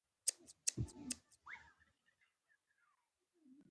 او ديني زدکړې ئې